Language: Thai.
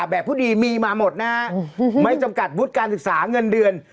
ผู้ดีมีมาหมดนะฮะไม่จำกัดวุฒิการศึกษาเงินเดือน